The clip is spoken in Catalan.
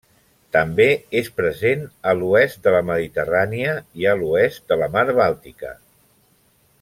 També és present a l'oest de la Mediterrània i a l'oest de la Mar Bàltica.